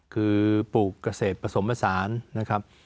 คือปลูกเกษตรประสมประสานนะครับ